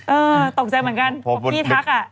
เออตกใจเหมือนกันบอกพี่ทักอ่ะ